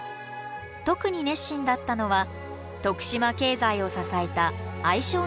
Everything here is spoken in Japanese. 特に熱心だったのは徳島経済を支えた藍商人たちです。